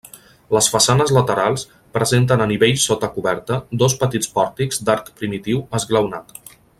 Les façanes laterals presenten a nivell sota coberta dos petits pòrtics d'arc primitiu esglaonat.